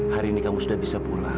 hari ini kamu sudah bisa pulang